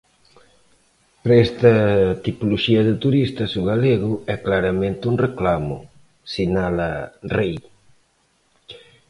Para esta tipoloxía de turistas o galego é claramente un reclamo, sinala Rei.